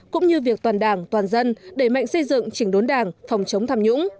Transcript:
cũng như việc toàn đảng toàn dân đẩy mạnh xây dựng chỉnh đốn đảng phòng chống tham nhũng